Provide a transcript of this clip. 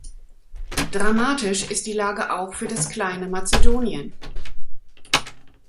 Dramatisch ist die Lage auch für das kleine Mazedonien.